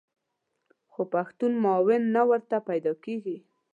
خو پښتون معاون نه ورته پیدا کېږي.